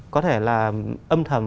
có thể là âm thầm